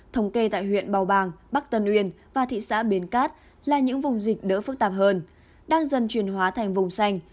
thống kê tại huyện bào bàng bắc tân uyên và thị xã bến cát là những vùng dịch đỡ phức tạp hơn đang dần truyền hóa thành vùng xanh